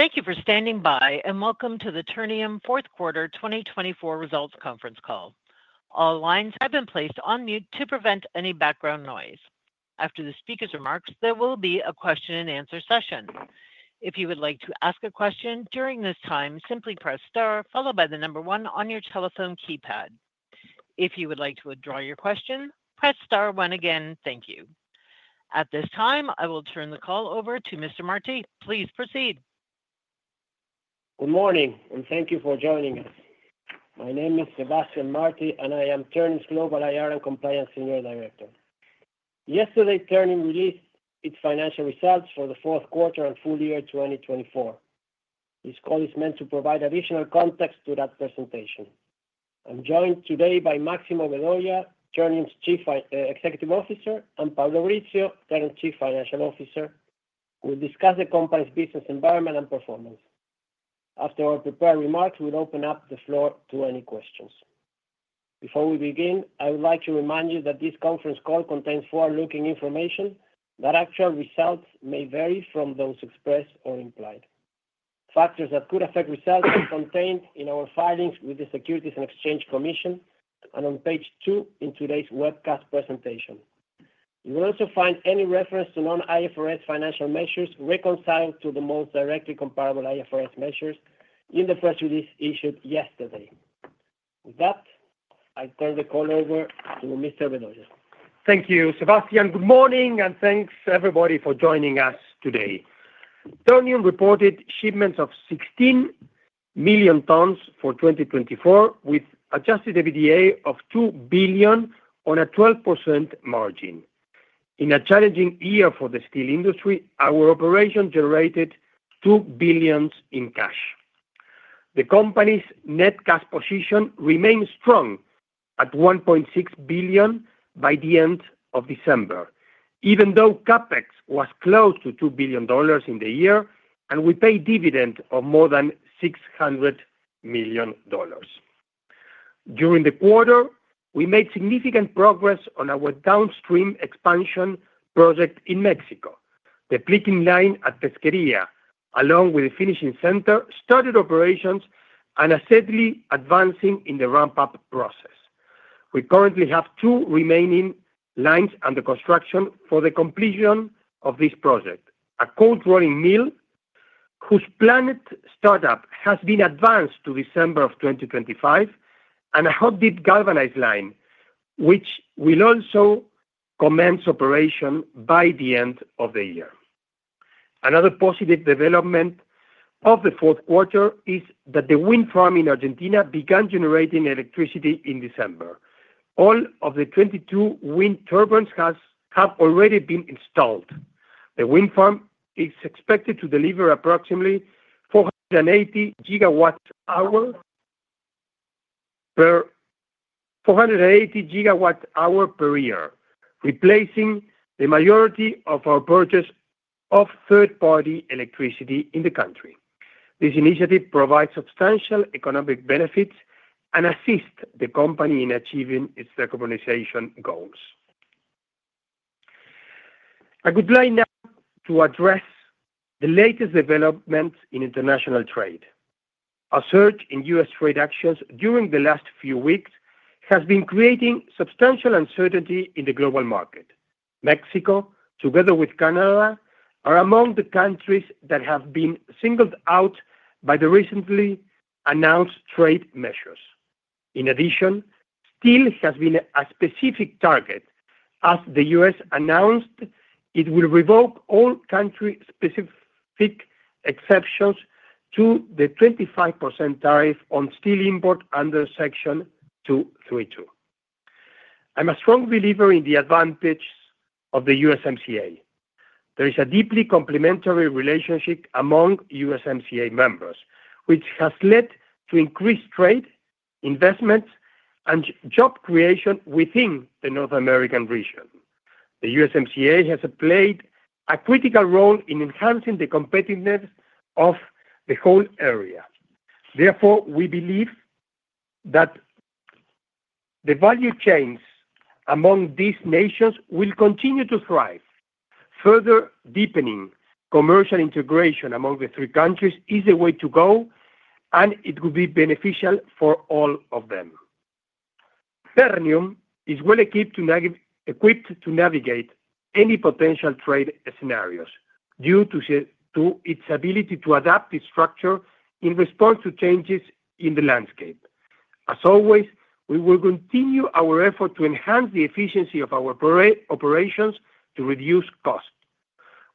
Thank you for standing by, and welcome to the Ternium Fourth Quarter 2024 Results Conference Call. All lines have been placed on mute to prevent any background noise. After the speaker's remarks, there will be a question-and-answer session. If you would like to ask a question during this time, simply "press star, followed by the number one" on your telephone keypad. If you would like to withdraw your question, "press star one again". Thank you. At this time, I will turn the call over to Mr. Martí. Please proceed. Good morning, and thank you for joining us. My name is Sebastián Martí, and I am Ternium's Global IR and Compliance Senior Director. Yesterday, Ternium released its financial results for the fourth quarter and full year 2024. This call is meant to provide additional context to that presentation. I'm joined today by Máximo Vedoya, Ternium's Chief Executive Officer, and Pablo Brizzio, Ternium's Chief Financial Officer, who will discuss the company's business environment and performance. After our prepared remarks, we'll open up the floor to any questions. Before we begin, I would like to remind you that this conference call contains forward-looking information. That actual results may vary from those expressed or implied. Factors that could affect results are contained in our filings with the Securities and Exchange Commission and on page two in today's webcast presentation. You will also find any reference to non-IFRS financial measures reconciled to the most directly comparable IFRS measures in the press release issued yesterday. With that, I turn the call over to Mr. Vedoya. Thank you, Sebastián. Good morning, and thanks, everybody, for joining us today. Ternium reported shipments of 16 million tons for 2024, with adjusted EBITDA of $2 billion on a 12% margin. In a challenging year for the steel industry, our operation generated $2 billion in cash. The company's net cash position remains strong at $1.6 billion by the end of December, even though CapEx was close to $2 billion in the year, and we paid dividends of more than $600 million. During the quarter, we made significant progress on our downstream expansion project in Mexico. The pickling line at Pesquería, along with the finishing center, started operations and are steadily advancing in the ramp-up process. We currently have two remaining lines under construction for the completion of this project: a cold-rolling mill whose planned start-up has been advanced to December of 2025, and a hot-dip galvanized line, which will also commence operation by the end of the year. Another positive development of the fourth quarter is that the wind farm in Argentina began generating electricity in December. All of the 22 wind turbines have already been installed. The wind farm is expected to deliver approximately 480 gigawatt-hours per year, replacing the majority of our purchase of third-party electricity in the country. This initiative provides substantial economic benefits and assists the company in achieving its decarbonization goals. I would like now to address the latest developments in international trade. A surge in U.S. trade actions during the last few weeks has been creating substantial uncertainty in the global market. Mexico, together with Canada, are among the countries that have been singled out by the recently announced trade measures. In addition, steel has been a specific target, as the U.S. announced it will revoke all country-specific exceptions to the 25% tariff on steel import under Section 232. I'm a strong believer in the advantage of the USMCA. There is a deeply complementary relationship among USMCA members, which has led to increased trade, investment, and job creation within the North American region. The USMCA has played a critical role in enhancing the competitiveness of the whole area. Therefore, we believe that the value chains among these nations will continue to thrive. Further deepening commercial integration among the three countries is the way to go, and it will be beneficial for all of them. Ternium is well equipped to navigate any potential trade scenarios due to its ability to adapt its structure in response to changes in the landscape. As always, we will continue our effort to enhance the efficiency of our operations to reduce costs.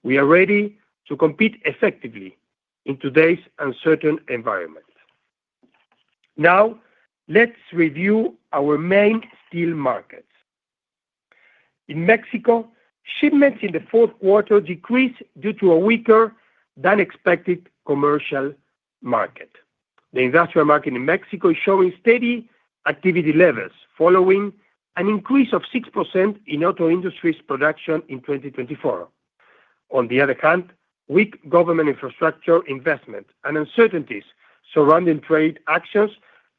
We are ready to compete effectively in today's uncertain environment. Now, let's review our main steel markets. In Mexico, shipments in the fourth quarter decreased due to a weaker-than-expected commercial market. The industrial market in Mexico is showing steady activity levels, following an increase of 6% in auto industry's production in 2024. On the other hand, weak government infrastructure investment and uncertainties surrounding trade actions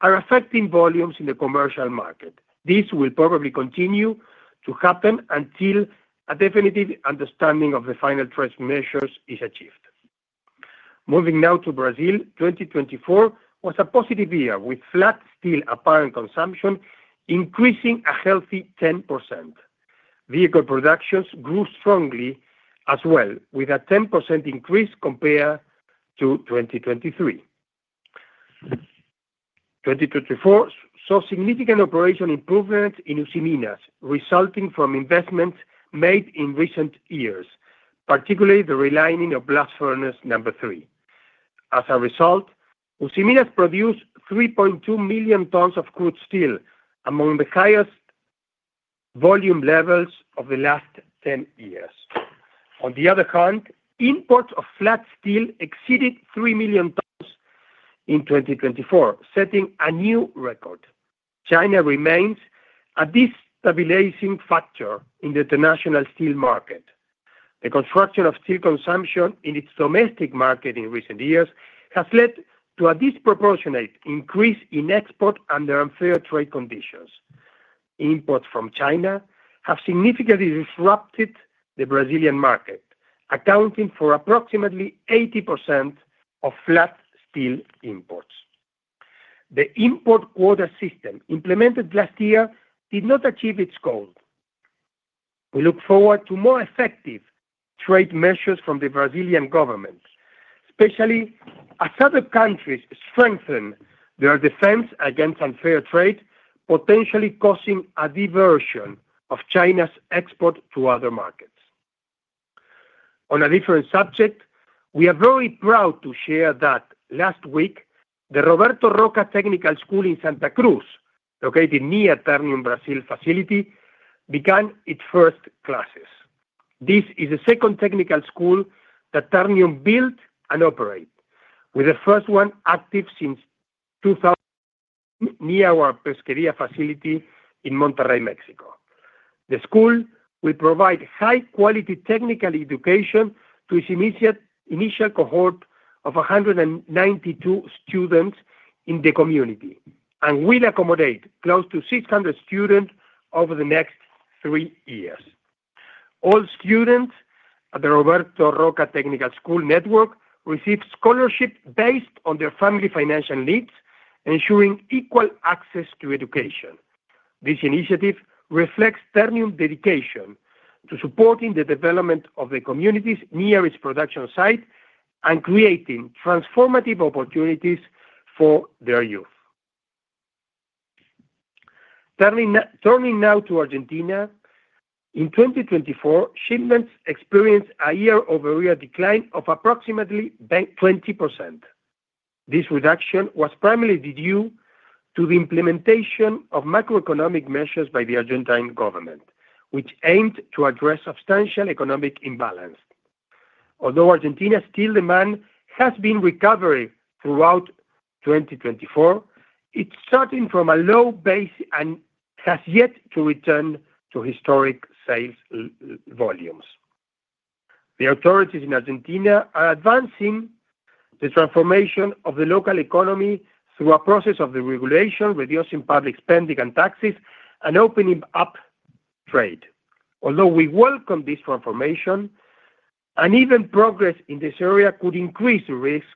are affecting volumes in the commercial market. This will probably continue to happen until a definitive understanding of the final trade measures is achieved. Moving now to Brazil, 2024 was a positive year, with flat-steel apparent consumption increasing a healthy 10%. Vehicle production grew strongly as well, with a 10% increase compared to 2023. 2024 saw significant operational improvements in Usiminas, resulting from investments made in recent years, particularly the relining of Blast Furnace number 3. As a result, Usiminas produced 3.2 million tons of crude steel, among the highest volume levels of the last 10 years. On the other hand, imports of flat steel exceeded 3 million tons in 2024, setting a new record. China remains a destabilizing factor in the international steel market. The contraction of steel consumption in its domestic market in recent years has led to a disproportionate increase in exports under unfair trade conditions. Imports from China have significantly disrupted the Brazilian market, accounting for approximately 80% of flat steel imports. The import-quota system implemented last year did not achieve its goal. We look forward to more effective trade measures from the Brazilian government, especially as other countries strengthen their defense against unfair trade, potentially causing a diversion of China's export to other markets. On a different subject, we are very proud to share that last week, the Roberto Roca Technical School in Santa Cruz, located near Ternium Brazil facility, began its first classes. This is the second technical school that Ternium built and operates, with the first one active since near our Pesquería facility in Monterrey, Mexico. The school will provide high-quality technical education to its initial cohort of 192 students in the community and will accommodate close to 600 students over the next three years. All students at the Roberto Roca Technical School network receive scholarships based on their family financial needs, ensuring equal access to education. This initiative reflects Ternium's dedication to supporting the development of the communities near its production site and creating transformative opportunities for their youth. Turning now to Argentina, in 2024, shipments experienced a year-over-year decline of approximately 20%. This reduction was primarily due to the implementation of macroeconomic measures by the Argentine government, which aimed to address substantial economic imbalance. Although Argentina's steel demand has been recovering throughout 2024, it's starting from a low base and has yet to return to historic sales volumes. The authorities in Argentina are advancing the transformation of the local economy through a process of deregulation, reducing public spending and taxes, and opening up trade. Although we welcome this transformation, uneven progress in this area could increase the risk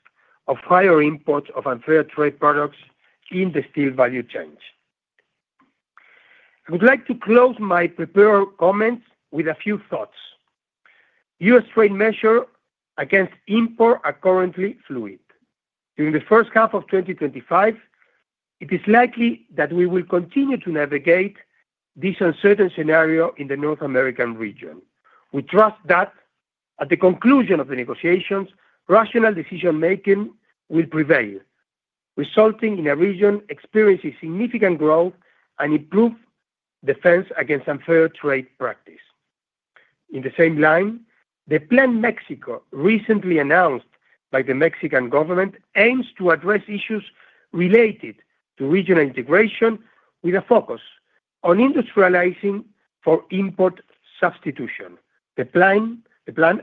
of higher imports of unfair trade products in the steel value chain. I would like to close my prepared comments with a few thoughts. U.S. Trade measures against imports are currently fluid. During the first half of 2025, it is likely that we will continue to navigate this uncertain scenario in the North American region. We trust that at the conclusion of the negotiations, rational decision-making will prevail, resulting in a region experiencing significant growth and improved defense against unfair trade practice. In the same line, the Plan Mexico recently announced by the Mexican government aims to address issues related to regional integration with a focus on industrializing for import substitution. The plan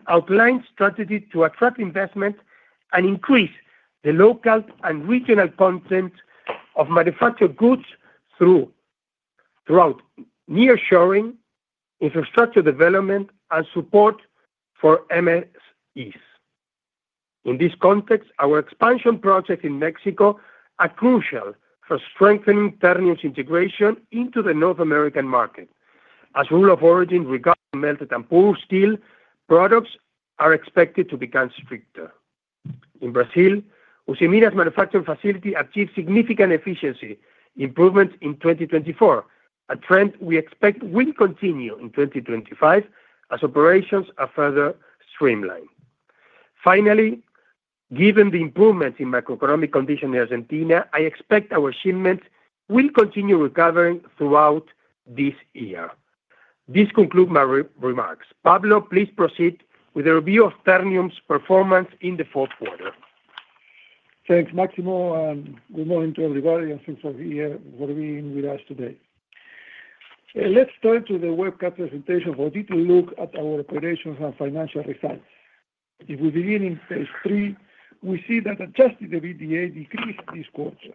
outlines strategies to attract investment and increase the local and regional content of manufactured goods throughout nearshoring, infrastructure development, and support for MSEs. In this context, our expansion projects in Mexico are crucial for strengthening Ternium's integration into the North American market. As rules of origin regarding melted and poured steel products are expected to become stricter. In Brazil, Usiminas's manufacturing facility achieved significant efficiency improvements in 2024, a trend we expect will continue in 2025 as operations are further streamlined. Finally, given the improvements in macroeconomic conditions in Argentina, I expect our shipments will continue recovering throughout this year. This concludes my remarks. Pablo, please proceed with the review of Ternium's performance in the fourth quarter. Thanks, Máximo. Good morning to everybody, and thanks for being with us today. Let's turn to the webcast presentation for a detailed look at our operations and financial results. If we begin on page three, we see that adjusted EBITDA decreased this quarter.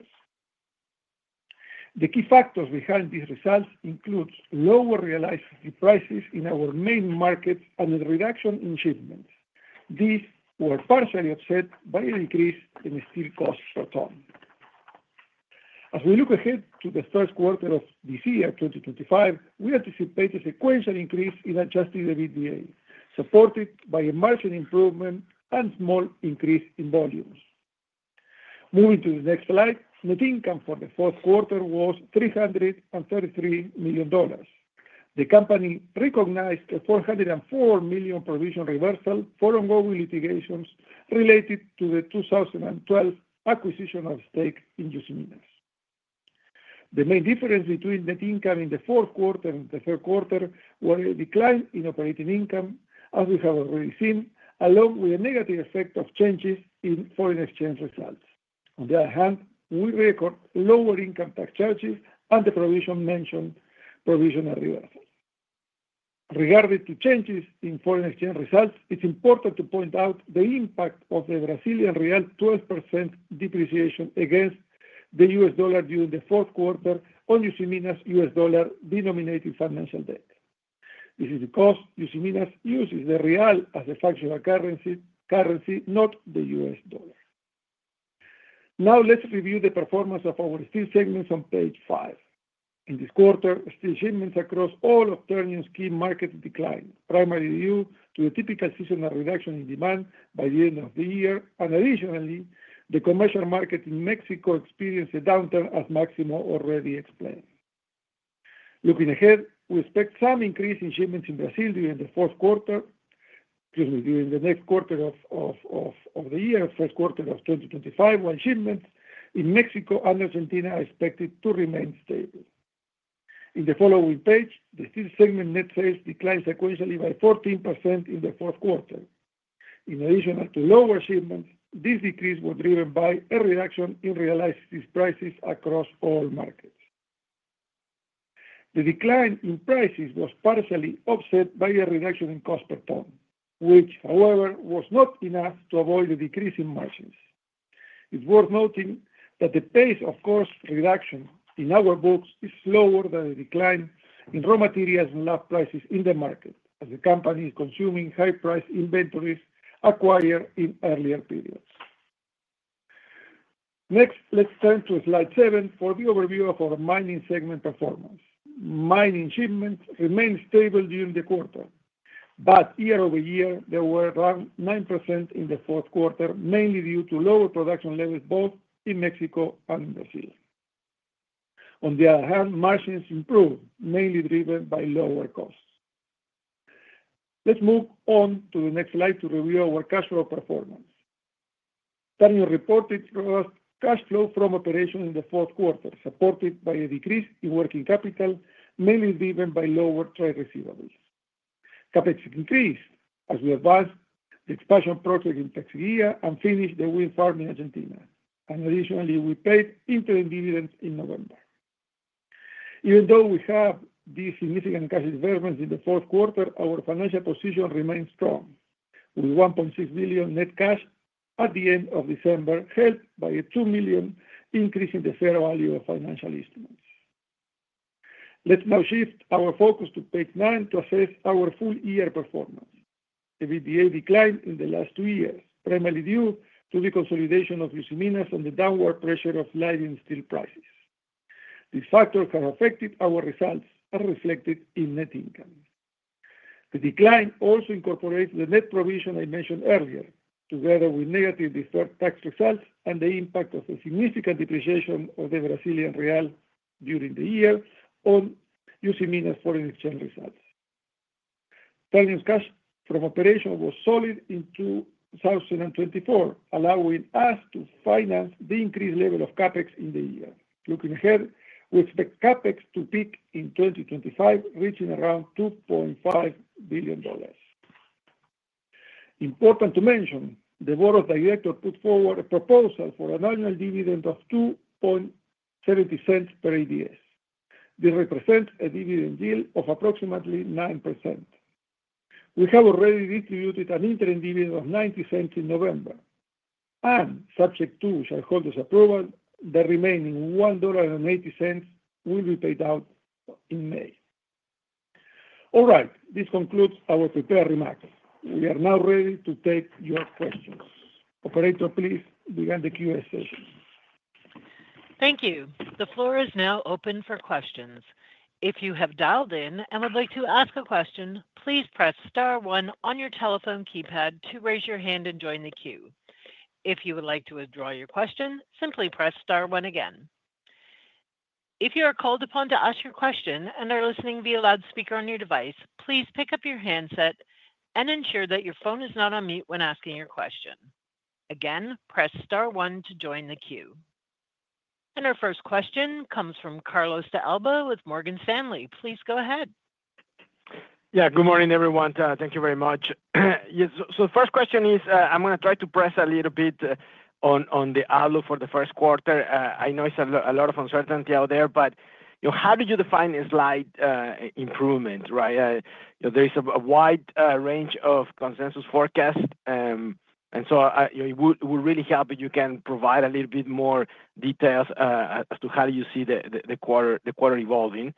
The key factors behind these results include lower realized prices in our main markets and a reduction in shipments. These were partially offset by a decrease in steel costs per ton. As we look ahead to the third quarter of this year, 2025, we anticipate a sequential increase in Adjusted EBITDA, supported by a margin improvement and small increase in volumes. Moving to the next slide, net income for the fourth quarter was $333 million. The company recognized a $404 million provisional reversal for ongoing litigations related to the 2012 acquisition of stake in Usiminas. The main difference between net income in the fourth quarter and the third quarter was a decline in operating income, as we have already seen, along with a negative effect of changes in foreign exchange results. On the other hand, we record lower income tax charges and the provision mentioned provisional reversal. Regarding changes in foreign exchange results, it's important to point out the impact of the Brazilian real's 12% depreciation against the US dollar during the fourth quarter on Usiminas's US dollar-denominated financial debt. This is because Usiminas uses the real as a functional currency, not the US dollar. Now, let's review the performance of our steel segments on page five. In this quarter, steel shipments across all of Ternium's key markets declined, primarily due to a typical seasonal reduction in demand by the end of the year. Additionally, the commercial market in Mexico experienced a downturn, as Máximo already explained. Looking ahead, we expect some increase in shipments in Brazil during the fourth quarter, excuse me, during the next quarter of the year, the first quarter of 2025, while shipments in Mexico and Argentina are expected to remain stable. In the following page, the steel segment net sales declined sequentially by 14% in the fourth quarter. In addition to lower shipments, this decrease was driven by a reduction in realized steel prices across all markets. The decline in prices was partially offset by a reduction in cost per ton, which, however, was not enough to avoid a decrease in margins. It's worth noting that the pace of cost reduction in our books is slower than the decline in raw materials and slab prices in the market, as the company is consuming high-priced inventories acquired in earlier periods. Next, let's turn to slide seven for the overview of our mining segment performance. Mining shipments remained stable during the quarter, but year-over-year, they were around 9% in the fourth quarter, mainly due to lower production levels both in Mexico and in Brazil. On the other hand, margins improved, mainly driven by lower costs. Let's move on to the next slide to review our cash flow performance. Ternium reported cash flow from operations in the fourth quarter, supported by a decrease in working capital, mainly driven by lower trade receivables. Capex increased as we advanced the expansion project in Pesquería and finished the wind farm in Argentina. Additionally, we paid interim dividends in November. Even though we have these significant cash developments in the fourth quarter, our financial position remained strong, with $1.6 million net cash at the end of December, helped by a $2 million increase in the fair value of financial instruments. Let's now shift our focus to page nine to assess our full-year performance. EBITDA declined in the last two years, primarily due to the consolidation of Usiminas and the downward pressure of declining steel prices. These factors have affected our results and reflected in net income. The decline also incorporates the net provision I mentioned earlier, together with negative deferred tax results and the impact of the significant depreciation of the Brazilian real during the year on Usiminas's foreign exchange results. Ternium's cash from operations was solid in 2024, allowing us to finance the increased level of CapEx in the year. Looking ahead, we expect CapEx to peak in 2025, reaching around $2.5 billion. Important to mention, the board of directors put forward a proposal for an annual dividend of $2.70 per ADS. This represents a dividend yield of approximately 9%. We have already distributed an interim dividend of $0.90 in November, and subject to shareholders' approval, the remaining $1.80 will be paid out in May. All right, this concludes our prepared remarks. We are now ready to take your questions. Operator, please begin the Q&A session. Thank you. The floor is now open for questions. If you have dialed in and would like to ask a question, please "press star one" on your telephone keypad to raise your hand and join the queue. If you would like to withdraw your question, simply" press star one" again. If you are called upon to ask your question and are listening via loudspeaker on your device, please pick up your handset and ensure that your phone is not on mute when asking your question. Again, "press star one" to join the queue. And our first question comes from Carlos de Alba with Morgan Stanley. Please go ahead. Yeah, good morning, everyone. Thank you very much. So the first question is, I'm going to try to press a little bit on the outlook for the first quarter. I know it's a lot of uncertainty out there, but how did you define a slight improvement? There is a wide range of consensus forecasts, and so it would really help if you can provide a little bit more details as to how you see the quarter evolving.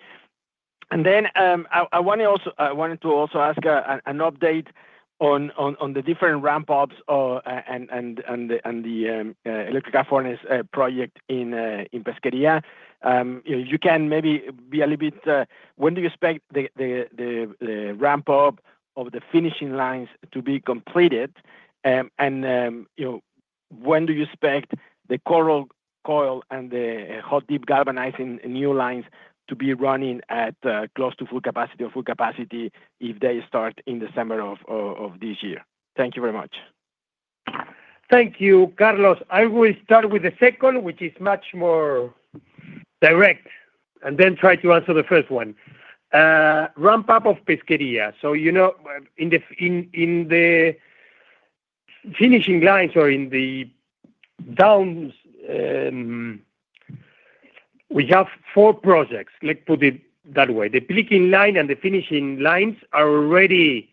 And then I wanted to also ask an update on the different ramp-ups and the electric arc furnace project in Pesquería. You can maybe be a little bit, when do you expect the ramp-up of the finishing lines to be completed? And when do you expect the cold and the hot-dip galvanizing new lines to be running at close to full capacity or full capacity if they start in December of this year? Thank you very much. Thank you, Carlos. I will start with the second, which is much more direct, and then try to answer the first one. Ramp-up of Pesquería. So in the finishing lines or in the tandems, we have four projects, let's put it that way. The pickling line and the finishing lines are already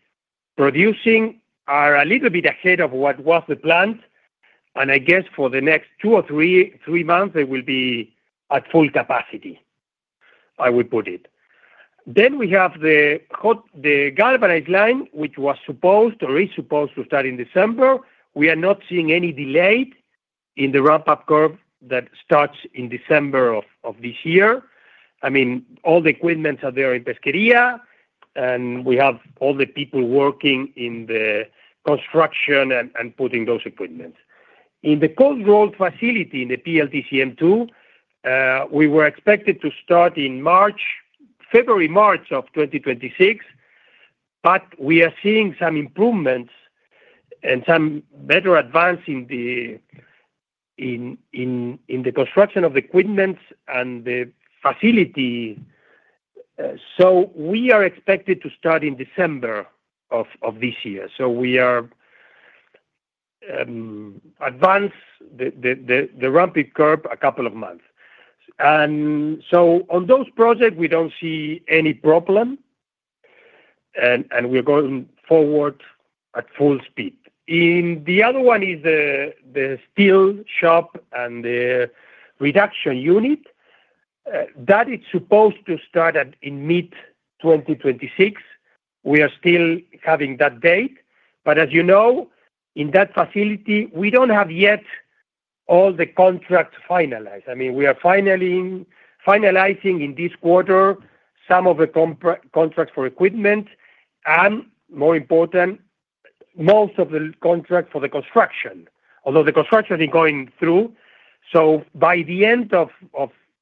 producing, are a little bit ahead of what was the plan, and I guess for the next two or three months, they will be at full capacity, I would put it. Then we have the galvanized line, which was supposed or is supposed to start in December. We are not seeing any delay in the ramp-up curve that starts in December of this year. I mean, all the equipment is there in Pesquería, and we have all the people working in the construction and putting those equipment. In the cold-roll facility in the PLTC M2, we were expected to start in February, March of 2026, but we are seeing some improvements and some better advance in the construction of the equipment and the facility. So we are expected to start in December of this year. So we are advancing the ramp-up curve a couple of months. And so on those projects, we don't see any problem, and we're going forward at full speed. The other one is the steel shop and the reduction unit that is supposed to start in mid-2026. We are still having that date, but as you know, in that facility, we don't have yet all the contracts finalized. I mean, we are finalizing in this quarter some of the contracts for equipment and, more important, most of the contracts for the construction, although the construction is going through. So by the end of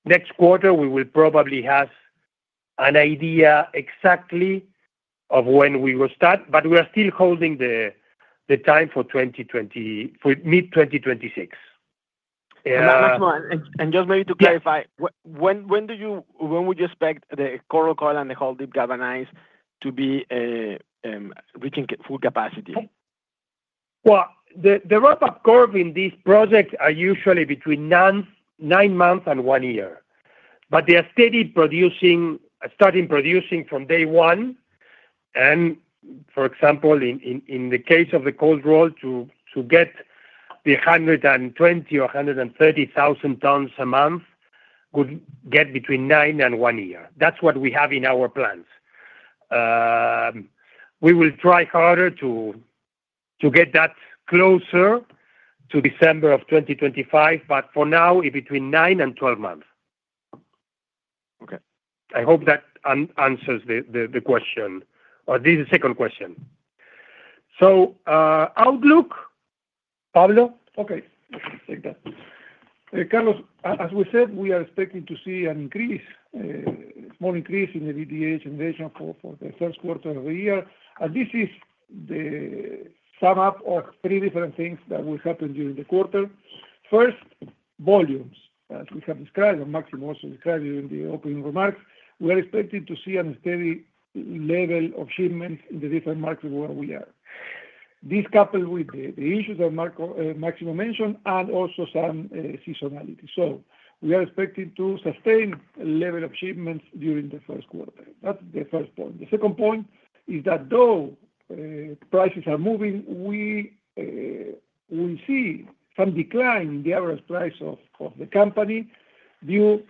next quarter, we will probably have an exact idea of when we will start, but we are still holding the timeline for mid-2026. And just maybe to clarify, when would you expect the coil and the hot-dip galvanized to be reaching full capacity? The ramp-up curve in these projects is usually between nine months and one year, but they are steadily starting producing from day one. And for example, in the case of the cold-roll, to get the 120 or 130 thousand tons a month would get between nine and one year. That's what we have in our plans. We will try harder to get that closer to December of 2025, but for now, between nine and twelve months. I hope that answers the question, or this is the second question. So outlook, Pablo? Okay. Take that. Carlos, as we said, we are expecting to see a small increase in the EBITDA generation for the first quarter of the year. And this is the sum-up of three different things that will happen during the quarter. First, volumes, as we have described, and Máximo also described during the opening remarks, we are expected to see a steady level of shipments in the different markets where we are. This is coupled with the issues that Máximo mentioned and also some seasonality. So we are expecting to sustain a level of shipments during the first quarter. That's the first point. The second point is that though prices are moving, we see some decline in the average price of the company due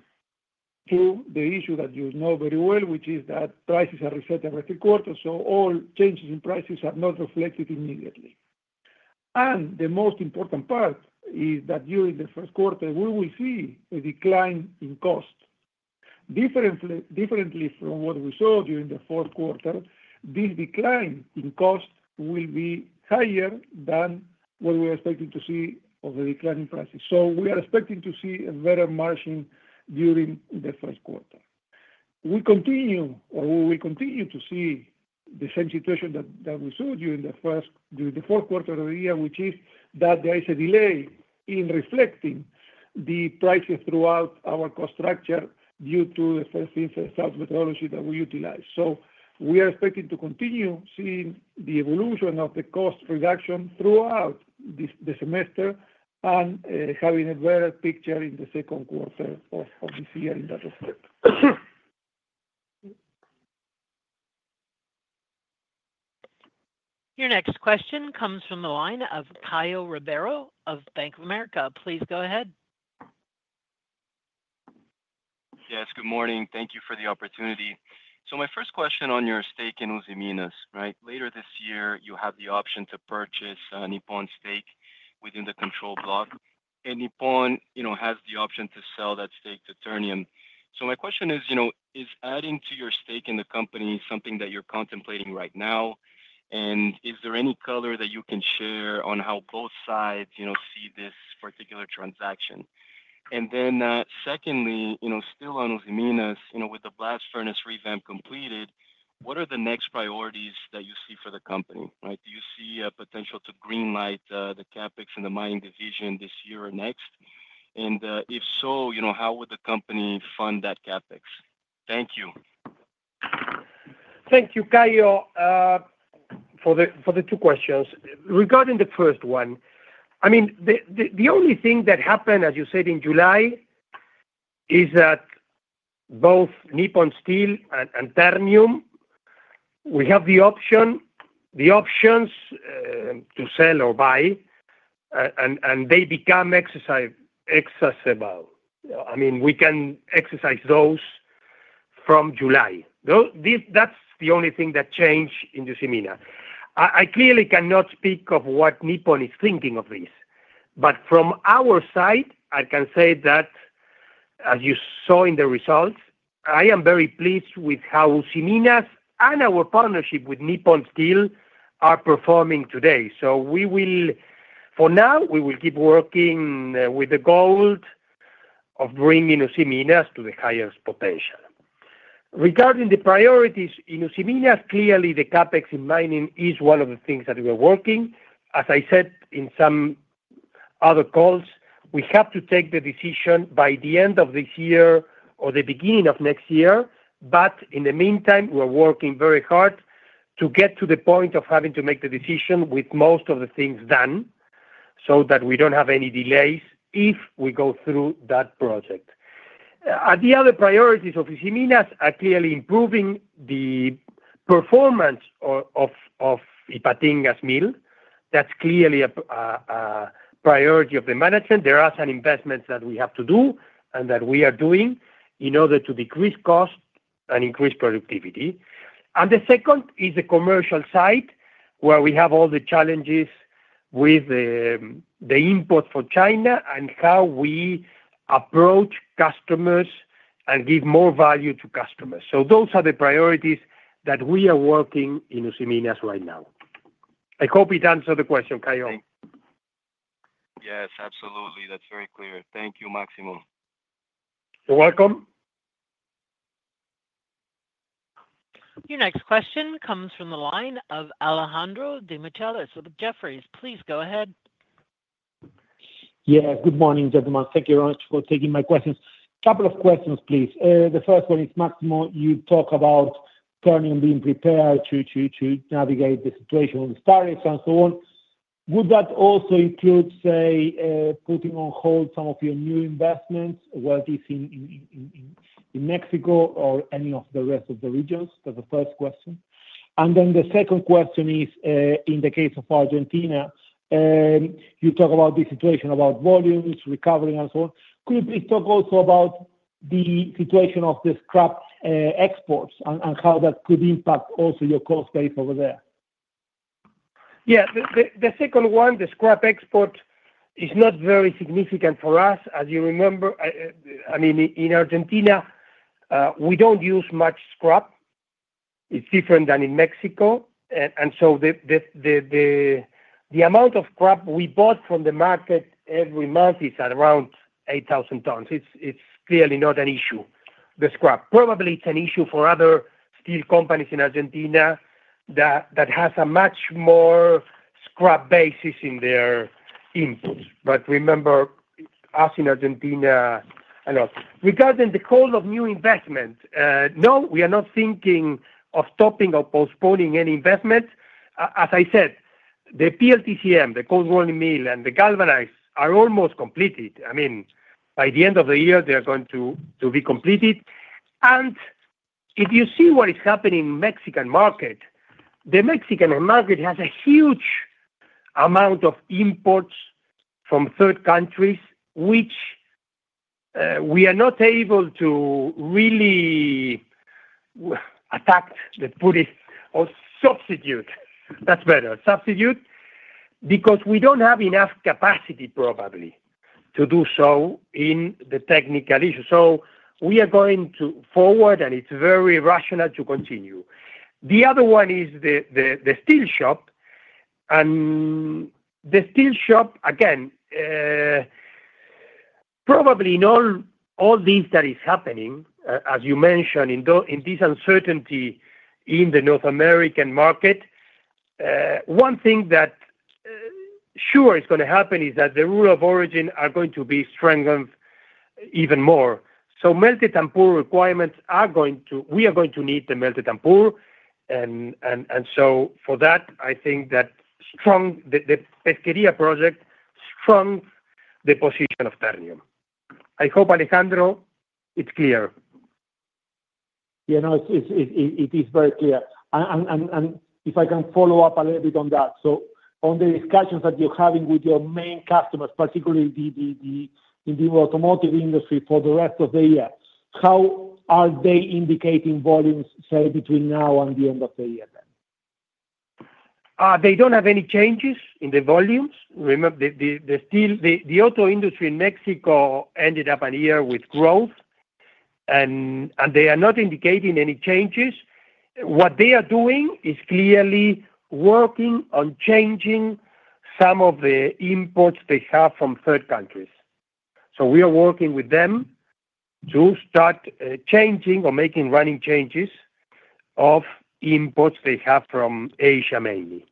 to the issue that you know very well, which is that prices are reset every quarter. So all changes in prices are not reflected immediately. The most important part is that during the first quarter, we will see a decline in cost. Differently from what we saw during the fourth quarter, this decline in cost will be higher than what we are expecting to see of the declining prices. We are expecting to see a better margin during the first quarter. We continue or we will continue to see the same situation that we saw during the fourth quarter of the year, which is that there is a delay in reflecting the prices throughout our cost structure due to the FIFO methodology that we utilize. We are expecting to continue seeing the evolution of the cost reduction throughout the semester and having a better picture in the second quarter of this year in that respect. Your next question comes from the line of Caio Ribeiro of Bank of America. Please go ahead. Yes, good morning. Thank you for the opportunity. So my first question on your stake in Usiminas, right? Later this year, you have the option to purchase a Nippon Steel stake within the control block, and Nippon Steel has the option to sell that stake to Ternium. So my question is, is adding to your stake in the company something that you're contemplating right now? And is there any color that you can share on how both sides see this particular transaction? And then secondly, still on Usiminas, with the blast furnace revamp completed, what are the next priorities that you see for the company? Do you see a potential to greenlight the Capex in the mining division this year or next? And if so, how would the company fund that Capex? Thank you. Thank you, Caio, for the two questions. Regarding the first one, I mean, the only thing that happened, as you said, in July is that both Nippon Steel and Ternium, we have the options to sell or buy, and they become exercisable. I mean, we can exercise those from July. That's the only thing that changed in Usiminas. I clearly cannot speak of what Nippon is thinking of this, but from our side, I can say that, as you saw in the results, I am very pleased with how Usiminas' and our partnership with Nippon Steel are performing today. So for now, we will keep working with the goal of bringing Usiminas to the highest potential. Regarding the priorities in Usiminas, clearly the Capex in mining is one of the things that we are working. As I said in some other calls, we have to take the decision by the end of this year or the beginning of next year, but in the meantime, we are working very hard to get to the point of having to make the decision with most of the things done so that we don't have any delays if we go through that project. The other priorities of Usiminas' are clearly improving the performance of Ipatinga's mill. That's clearly a priority of the management. There are some investments that we have to do and that we are doing in order to decrease cost and increase productivity and the second is the commercial side where we have all the challenges with the imports for China and how we approach customers and give more value to customers so those are the priorities that we are working in Usiminas right now. I hope it answered the question, Caio. Yes, absolutely. That's very clear. Thank you, Máximo. You're welcome. Your next question comes from the line of Alejandro de Micheles with Jefferies. Please go ahead. Yes, good morning, gentlemen. Thank you very much for taking my questions. A couple of questions, please. The first one is, Máximo, you talk about Ternium being prepared to navigate the situation with the tariffs and so on. Would that also include, say, putting on hold some of your new investments, whether it's in Mexico or any of the rest of the regions? That's the first question. And then the second question is, in the case of Argentina, you talk about the situation about volumes, recovery, and so on. Could you please talk also about the situation of the scrap exports and how that could impact also your cost base over there? Yeah, the second one, the scrap export is not very significant for us. As you remember, I mean, in Argentina, we don't use much scrap. It's different than in Mexico. And so the amount of scrap we bought from the market every month is around 8,000 tons. It's clearly not an issue, the scrap. Probably it's an issue for other steel companies in Argentina that have a much more scrap basis in their inputs. But remember, us in Argentina and all. Regarding the call of new investment, no, we are not thinking of stopping or postponing any investment. As I said, the PLTCM, the cold-rolling mill, and the galvanized are almost completed. I mean, by the end of the year, they're going to be completed. If you see what is happening in the Mexican market, the Mexican market has a huge amount of imports from third countries, which we are not able to really attack, let's put it, or substitute. That's better, substitute, because we don't have enough capacity, probably, to do so in the technical issues. We are going forward, and it's very rational to continue. The other one is the steel shop. The steel shop, again, probably in all this that is happening, as you mentioned, in this uncertainty in the North American market, one thing that sure is going to happen is that the rule of origin is going to be strengthened even more. Melted and poured requirements are going to, we are going to need the melted and poured. For that, I think that the Pesquería project strengthens the position of Ternium. I hope, Alejandro, it's clear. Yeah, no, it is very clear. And if I can follow up a little bit on that. So on the discussions that you're having with your main customers, particularly in the automotive industry for the rest of the year, how are they indicating volumes, say, between now and the end of the year then? They don't have any changes in the volumes. Remember, the auto industry in Mexico ended up a year with growth, and they are not indicating any changes. What they are doing is clearly working on changing some of the imports they have from third countries. So we are working with them to start changing or making running changes of imports they have from Asia mainly.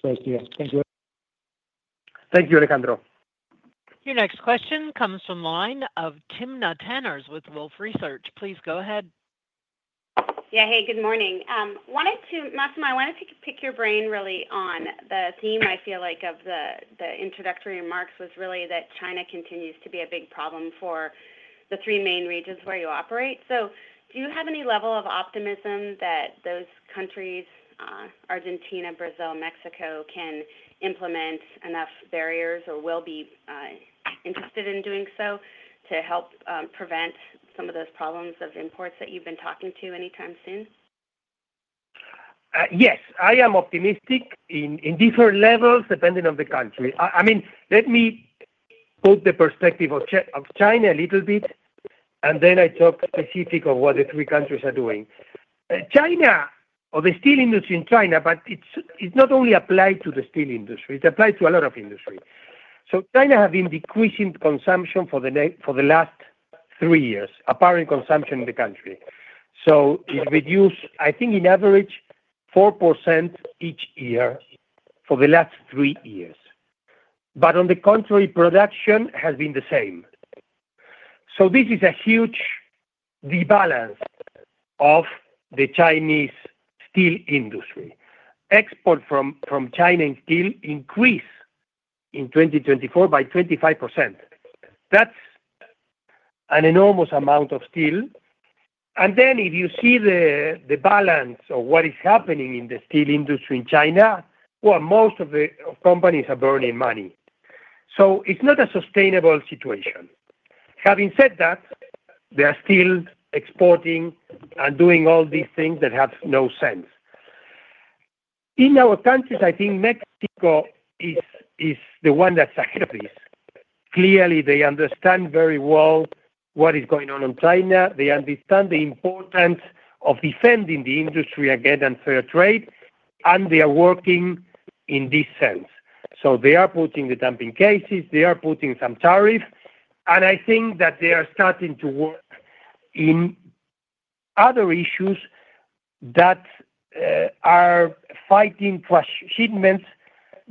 Thank you. Thank you, Alejandro. Your next question comes from the line of Timna Tanners with Wolfe Research. Please go ahead. Yeah, hey, good morning. Máximo, I wanted to pick your brain really on the theme, I feel like, of the introductory remarks was really that China continues to be a big problem for the three main regions where you operate. So do you have any level of optimism that those countries, Argentina, Brazil, Mexico, can implement enough barriers or will be interested in doing so to help prevent some of those problems of imports that you've been talking about any time soon? Yes, I am optimistic in different levels depending on the country. I mean, let me put the perspective of China a little bit, and then I talk specifically of what the three countries are doing. China or the steel industry in China, but it's not only applied to the steel industry. It applies to a lot of industries. So China has been decreasing consumption for the last three years, apparent consumption in the country. So it reduced, I think, in average, 4% each year for the last three years. But on the contrary, production has been the same. So this is a huge rebalance of the Chinese steel industry. Exports from China and steel increased in 2024 by 25%. That's an enormous amount of steel. And then if you see the balance of what is happening in the steel industry in China, well, most of the companies are burning money. So it's not a sustainable situation. Having said that, they are still exporting and doing all these things that have no sense. In our countries, I think Mexico is the one that's ahead of this. Clearly, they understand very well what is going on in China. They understand the importance of defending the industry against unfair trade, and they are working in this sense. So they are putting the dumping cases. They are putting some tariffs. And I think that they are starting to work in other issues that are fighting for shipments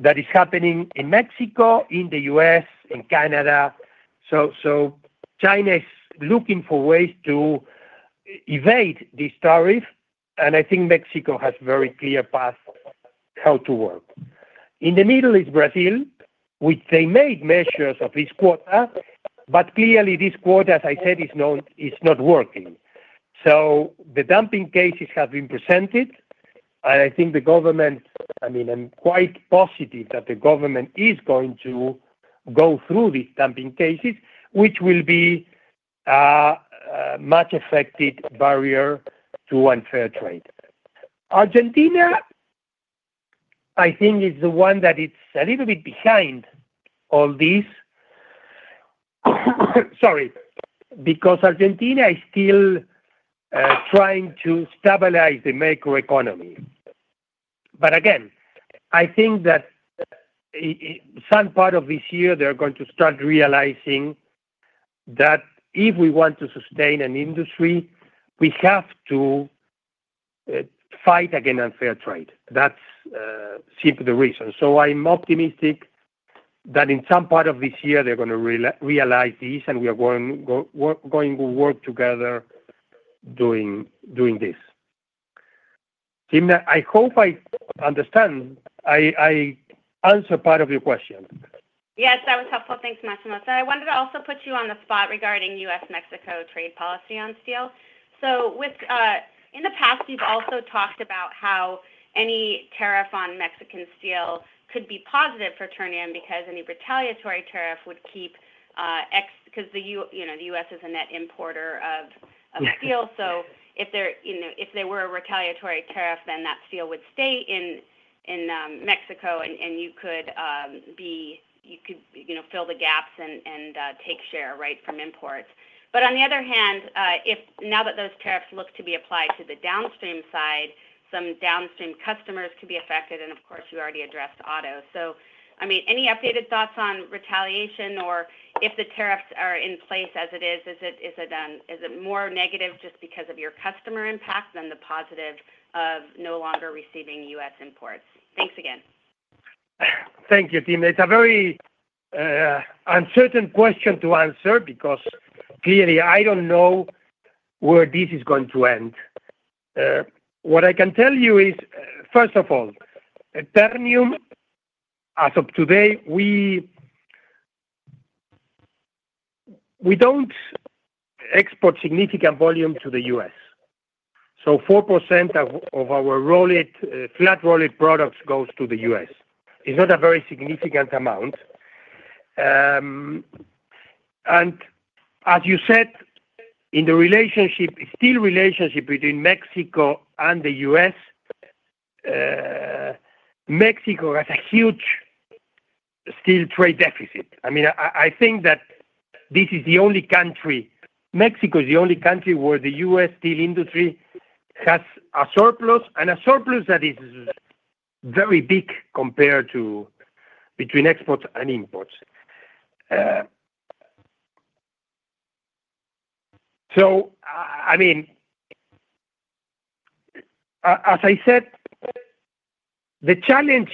that are happening in Mexico, in the U.S., in Canada. So China is looking for ways to evade this tariff, and I think Mexico has a very clear path how to work. In the Middle East, Brazil, they made measures of this quota, but clearly this quota, as I said, is not working. So the dumping cases have been presented, and I think the government, I mean, I'm quite positive that the government is going to go through these dumping cases, which will be an effective barrier to unfair trade. Argentina, I think, is the one that is a little bit behind all this. Sorry, because Argentina is still trying to stabilize the macroeconomy. But again, I think that some part of this year, they're going to start realizing that if we want to sustain an industry, we have to fight against unfair trade. That's simply the reason. So I'm optimistic that in some part of this year, they're going to realize this, and we are going to work together doing this. Tim, I hope I understand. I answered part of your question. Yes, that was helpful. Thanks, Máximo. So I wanted to also put you on the spot regarding US-Mexico trade policy on steel. So in the past, we've also talked about how any tariff on Mexican steel could be positive for Ternium because any retaliatory tariff would keep because the U.S. is a net importer of steel. So if there were a retaliatory tariff, then that steel would stay in Mexico, and you could fill the gaps and take share right from imports. But on the other hand, now that those tariffs look to be applied to the downstream side, some downstream customers could be affected, and of course, you already addressed auto. So I mean, any updated thoughts on retaliation or if the tariffs are in place as it is? Is it more negative just because of your customer impact than the positive of no longer receiving U.S. imports? Thanks again. Thank you, Tim. It's a very uncertain question to answer because clearly, I don't know where this is going to end. What I can tell you is, first of all, Ternium, as of today, we don't export significant volume to the U.S. So 4% of our flat rolled products goes to the U.S. It's not a very significant amount. And as you said, in the relationship, steel relationship between Mexico and the U.S., Mexico has a huge steel trade deficit. I mean, I think that this is the only country. Mexico is the only country where the U.S steel industry has a surplus, and a surplus that is very big compared to between exports and imports. So I mean, as I said, the challenge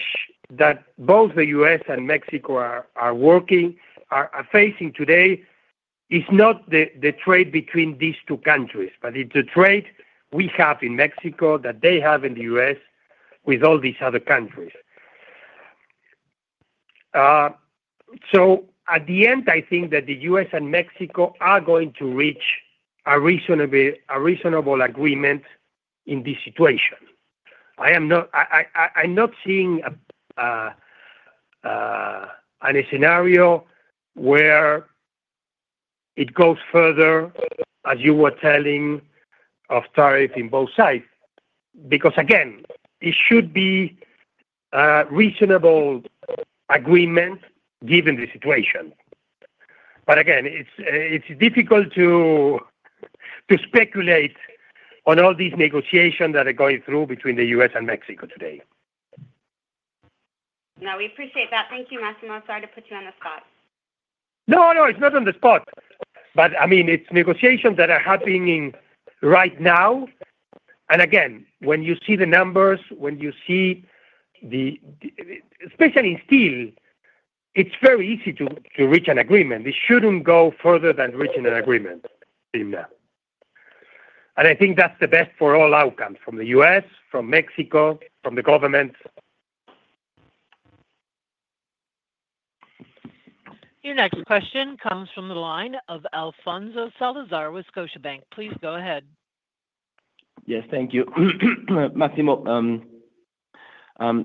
that both the U.S. and Mexico are facing today is not the trade between these two countries, but it's the trade we have in Mexico that they have in the U.S. with all these other countries. So at the end, I think that the U.S. and Mexico are going to reach a reasonable agreement in this situation. I'm not seeing a scenario where it goes further, as you were telling, of tariffs on both sides because, again, it should be a reasonable agreement given the situation. But again, it's difficult to speculate on all these negotiations that are going through between the U.S. and Mexico today. No, we appreciate that. Thank you, Máximo. Sorry to put you on the spot. No, no, it's not on the spot, but I mean, it's negotiations that are happening right now. And again, when you see the numbers, when you see the, especially in steel, it's very easy to reach an agreement. It shouldn't go further than reaching an agreement, Tim. And I think that's the best for all outcomes from the U.S., from Mexico, from the government. Your next question comes from the line of Alfonso Salazar, Scotiabank. Please go ahead. Yes, thank you. Máximo,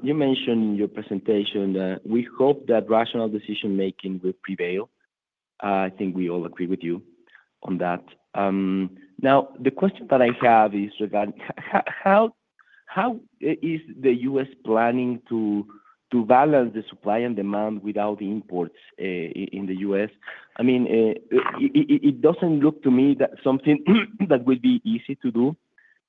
you mentioned in your presentation that we hope that rational decision-making will prevail. I think we all agree with you on that. Now, the question that I have is regarding how is the U.S. planning to balance the supply and demand without the imports in the U.S.? I mean, it doesn't look to me that something that would be easy to do.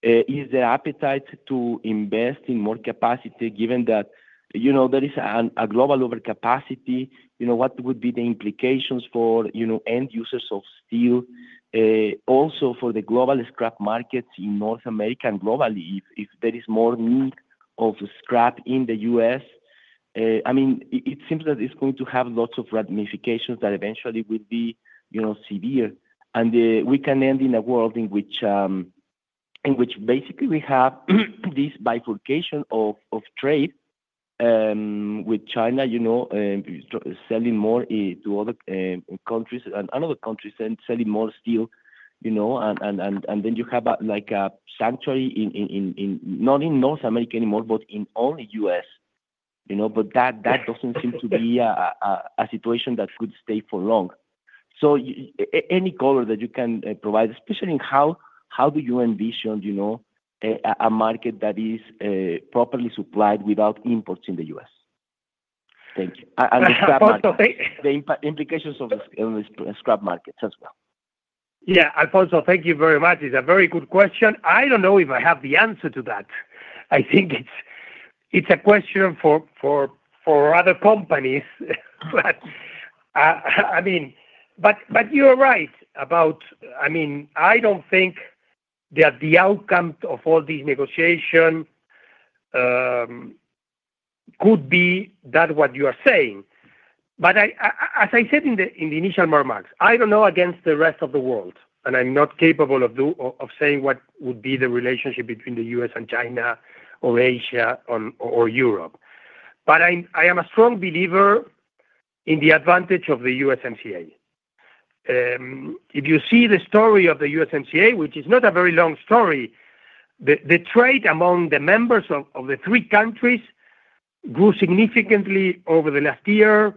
Is there appetite to invest in more capacity given that there is a global overcapacity? What would be the implications for end users of steel, also for the global scrap markets in North America and globally if there is more need of scrap in the U.S.? I mean, it seems that it's going to have lots of ramifications that eventually will be severe. And we can end in a world in which basically we have this bifurcation of trade with China, selling more to other countries and other countries and selling more steel. And then you have a sanctuary not in North America anymore, but in all the U.S. But that doesn't seem to be a situation that could stay for long. So any color that you can provide, especially in how do you envision a market that is properly supplied without imports in the U.S.? Thank you. And the implications of the scrap markets as well. Yeah, Alfonso, thank you very much. It's a very good question. I don't know if I have the answer to that. I think it's a question for other companies. But I mean, but you're right about, I mean, I don't think that the outcome of all these negotiations could be that what you are saying. But as I said in the initial remarks, I don't know against the rest of the world, and I'm not capable of saying what would be the relationship between the U.S. and China or Asia or Europe. But I am a strong believer in the advantage of the USMCA. If you see the story of the USMCA, which is not a very long story, the trade among the members of the three countries grew significantly over the last year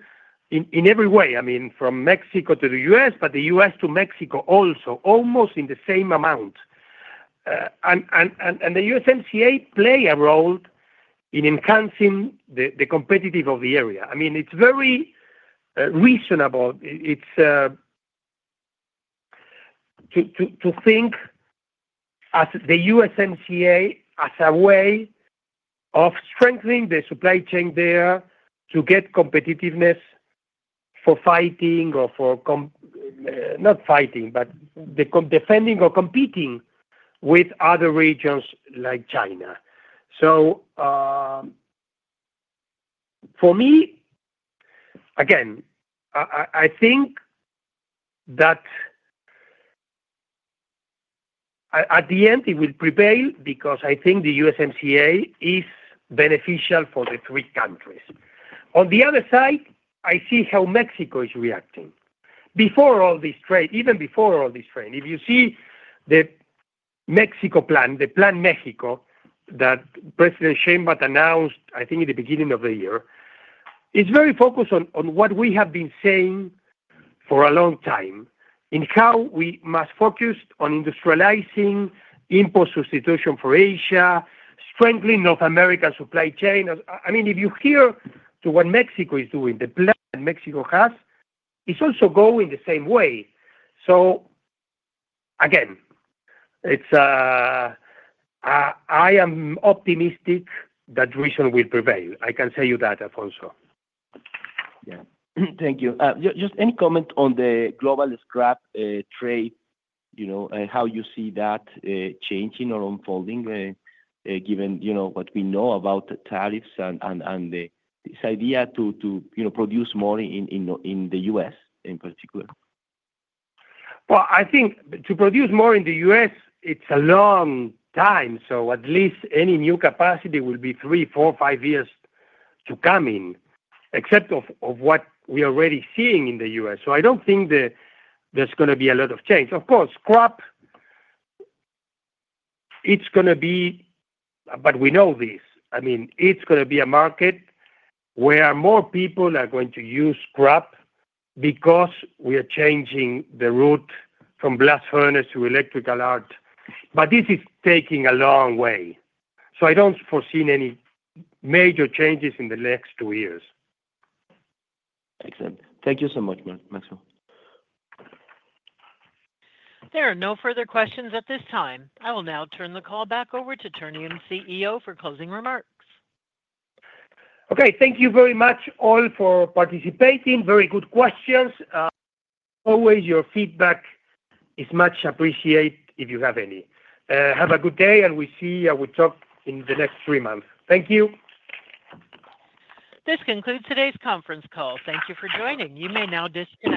in every way. I mean, from Mexico to the U.S., but the U.S. to Mexico also, almost in the same amount. And the USMCA played a role in enhancing the competitiveness of the area. I mean, it's very reasonable to think of the USMCA as a way of strengthening the supply chain there to get competitiveness for fighting or for not fighting, but defending or competing with other regions like China. So for me, again, I think that at the end, it will prevail because I think the USMCA is beneficial for the three countries. On the other side, I see how Mexico is reacting. Before all this trade, even before all this trade, if you see the Mexico plan, the Plan México that President Sheinbaum announced, I think, at the beginning of the year, it's very focused on what we have been saying for a long time in how we must focus on industrializing, import substitution for Asia, strengthening North America's supply chain. I mean, if you hear what Mexico is doing, the plan that Mexico has, it's also going the same way. So again, I am optimistic that reason will prevail. I can tell you that, Alfonso. Yeah. Thank you. Just any comment on the global scrap trade and how you see that changing or unfolding given what we know about the tariffs and this idea to produce more in the U.S. in particular? I think to produce more in the U.S., it's a long time. So at least any new capacity will be three, four, five years to come in, except for what we are already seeing in the U.S. So I don't think there's going to be a lot of change. Of course, scrap, it's going to be, but we know this. I mean, it's going to be a market where more people are going to use scrap because we are changing the route from blast furnace to electric arc. But this is taking a long way. So I don't foresee any major changes in the next two years. Excellent. Thank you so much, Máximo. There are no further questions at this time. I will now turn the call back over to Ternium CEO for closing remarks. Okay. Thank you very much all for participating. Very good questions. Always, your feedback is much appreciated if you have any. Have a good day, and we'll see how we talk in the next three months. Thank you. This concludes today's conference call. Thank you for joining. You may now disconnect.